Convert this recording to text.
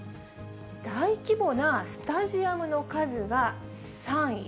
大規模なスタジアムの数が３位。